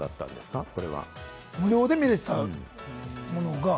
無料で見られていたものが。